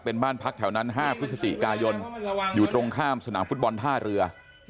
เป็นบ้านพักแถวนั้น๕พฤศจิกายนอยู่ตรงข้ามสนามฟุตบอลท่าเรือ